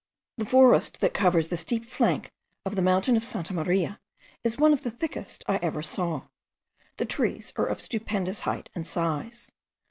The forest that covers the steep flank of the mountain of Santa Maria, is one of the thickest I ever saw. The trees are of stupendous height and size.